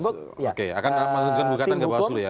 oke akan mengajukan gugatan ke bawaslu ya